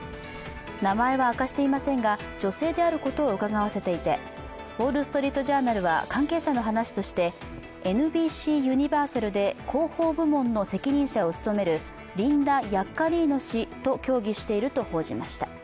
名前は明かしていませんが、女性であることをうかがわせていて、「ウォール・ストリート・ジャーナル」は関係者の話としてＮＢＣユニバーサルで広報部門の責任者を務めるリンダ・ヤッカリーノ氏と協議していると報じました。